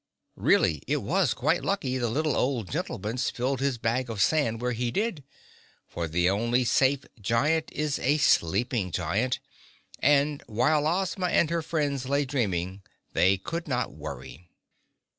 Really, it was quite lucky the little old gentleman spilled his bag of sand where he did, for the only safe giant is a sleeping giant, and while Ozma and her friends lay dreaming they could not worry.